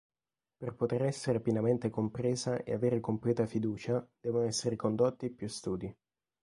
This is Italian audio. Per poter essere pienamente compresa e avere completa fiducia, devono essere condotti più studi.